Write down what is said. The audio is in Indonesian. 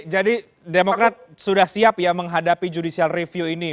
jadi demokrat sudah siap ya menghadapi judicial review ini